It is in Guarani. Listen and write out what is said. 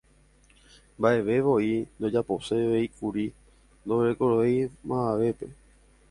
Mba'evevoi ndojaposevéikuri ndoguerekovéigui mavavépe.